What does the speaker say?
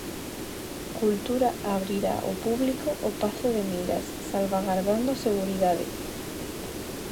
Cultura abrirá ao público o Pazo de Meirás "salvagardando a seguridade".